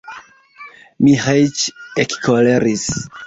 Miĥeiĉ ekkoleris.